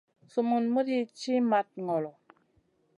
Sumun muɗi ci mat ŋolo.